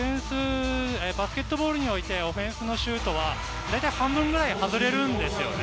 バスケットボールにおいてオフェンスのシュートは、半分くらい外れるんですよね。